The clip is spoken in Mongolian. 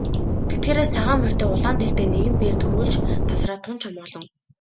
Тэдгээрээс цагаан морьтой улаан дээлтэй нэгэн бээр түрүүлж тасраад тун ч омголон.